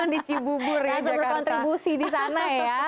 di cibubur ya jakarta